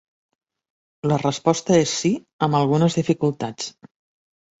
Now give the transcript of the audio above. La resposta és sí, amb algunes dificultats.